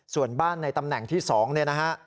ส่วนบ้านในตำแหน่งที่๒เนี่ยนะฮะ